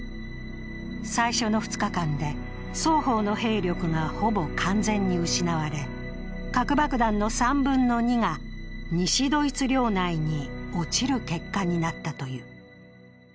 最初の２日間で双方の兵力がほぼ完全に失われ核爆弾の３分の２が西ドイツ領内に落ちる結果になったという。